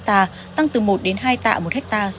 tăng từ một đến hai tạ một ha